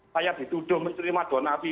saya dituduh menerima donasi